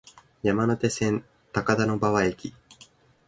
山手線、高田馬場駅